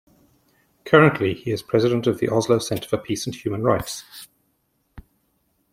Currently, he is President of the Oslo Centre for Peace and Human Rights.